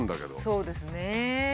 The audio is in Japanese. そうですね。